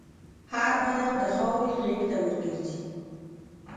هر بدن د خاورې غېږ ته ورګرځي.